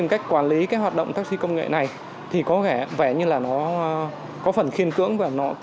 để có lịch nghỉ phù hợp